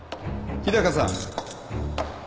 日高さん。